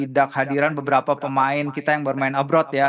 jadi tidak hadiran beberapa pemain kita yang bermain luar negara ya